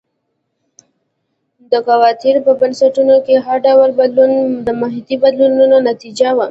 د ګواتیلا په بنسټونو کې هر ډول بدلون د محیطي بدلونونو نتیجه وه.